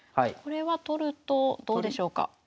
これは取るとどうでしょうか？